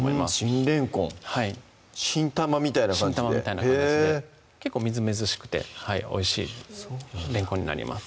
新れんこん新たまみたいな感じで新たまみたいな感じで結構みずみずしくておいしいれんこんになります